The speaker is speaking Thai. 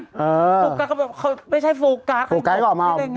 โฟกัสเขาแบบเขาไม่ใช่โฟกัสโฟกัสเขาออกมาเอา